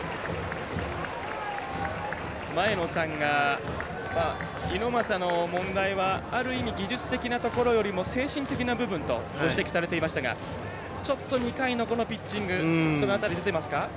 前野さんが猪俣の問題はある意味、技術的なところより精神的な部分とご指摘されていましたがちょっと２回のピッチングその辺り、出てますか？